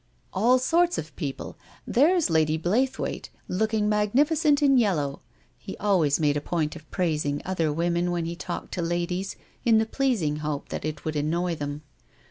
"All sorts of pretty people. There's Lady Blaythewaite, looking magnificent in yellow," he answered. He always made a point of praising other women when he talked to ladies, in the pleasing hope that it would annoy them.